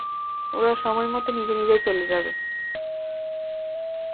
ওরা সময়মত নিজে নিজেই চলে যাবে।